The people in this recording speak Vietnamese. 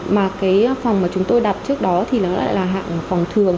mà cái phòng mà chúng tôi đặt trước đó thì nó lại là hạng phòng thường